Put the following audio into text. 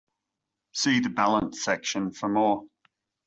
See the balance section for more.